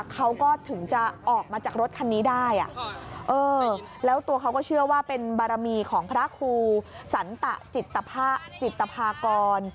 เขาก็ถึงจะออกมาจากรถคันนี้ได้แล้วตัวเขาก็เชื่อว่าเป็นบารมีของพระครูสันตะจิตภากร